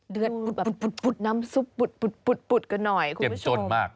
เลือดปุดน้ำซุปปุดกันหน่อยคุณผู้ชม